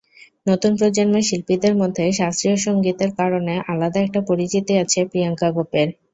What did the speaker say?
নতুন প্রজন্মের শিল্পীদের মধ্যে শাস্ত্রীয় সংগীতের কারণে আলাদা একটা পরিচিতি আছে প্রিয়াঙ্কা গোপের।